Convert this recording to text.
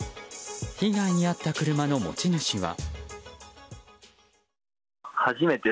被害に遭った車の持ち主は。